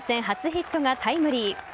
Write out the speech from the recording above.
初ヒットがタイムリー。